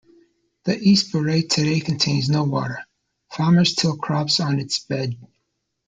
The East Baray today contains no water; farmers till crops on its bed.